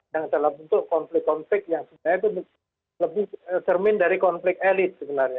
yang dalam bentuk konflik konflik yang sebenarnya itu lebih cermin dari konflik elit sebenarnya